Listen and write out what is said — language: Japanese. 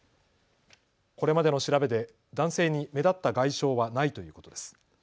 これまでの調べで男性に目立った外傷はないということです。